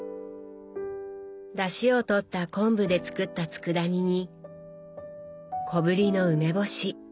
だしをとった昆布で作ったつくだ煮に小ぶりの梅干し。